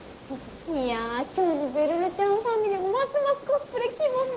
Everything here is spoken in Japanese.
いや今日のべるるちゃんファンミでますますコスプレキボンヌ！